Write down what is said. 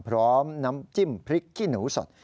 พร้อมน้ำจิ้มพริกขี้หนูสด